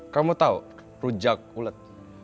kamu tau rujak mulut